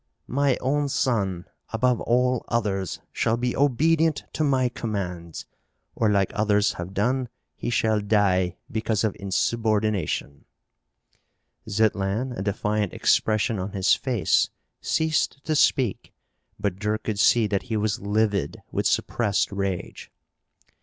"My own son, above all others, shall be obedient to my commands! Or, like others have done, he shall die because of insubordination!" Zitlan, a defiant expression on his face, ceased to speak, but Dirk could see that he was livid with suppressed rage.